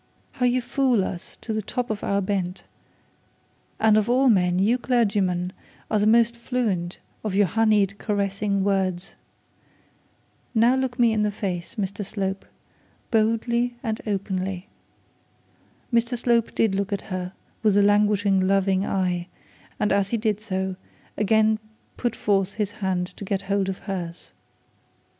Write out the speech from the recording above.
'How you fool us to the top of our bent; and of all men you clergymen are the most fluent of your honeyed caressing words. Now look me in the face, Mr Slope, boldly and openly.' Mr Slope did look at her with a languishing loving eye, and as he did so, he again put forth his hand to get hold of hers.